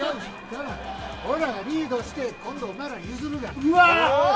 俺らがリードしてお前らに譲るがな。